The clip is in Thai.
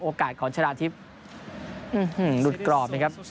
โอกาสของชนะทิพย์หื้อหื้อหลุดกรอบนะครับ